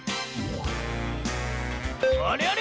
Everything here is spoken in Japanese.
あれあれ？